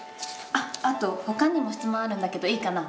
あっあとほかにも質問あるんだけどいいかな？